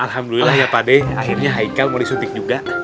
alhamdulillah ya pakde akhirnya haikal mau disuntik juga